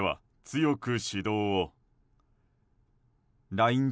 ＬＩＮＥ